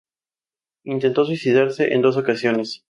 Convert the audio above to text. Intentó suicidarse en dos ocasiones.